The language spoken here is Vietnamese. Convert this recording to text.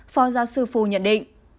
phó giáo sư phu nhận định